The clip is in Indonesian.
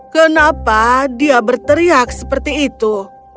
kenapa dia berteriak seperti itu